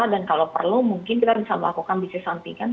dan kalau perlu mungkin kita bisa melakukan bisnis sampingan